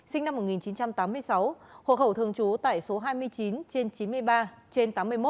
sinh năm một nghìn chín trăm tám mươi sáu hộ khẩu thường trú tại số hai mươi chín trên chín mươi ba trên tám mươi một